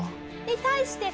に対して